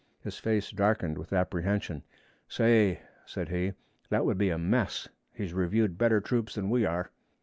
His face darkened with apprehension. 'Say,' said he, 'that would be a mess! He's reviewed better troops than we are!'